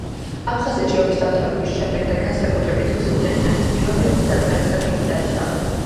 აფხაზეთში ომის დამთავრების შემდეგ და განსაკუთრებით, რუსეთ-ჩეჩნეთის პირველი ომის დაწყებისას იგი დაიშალა.